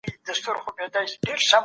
که ډیجیټل کتاب وي نو استعداد نه وژل کیږي.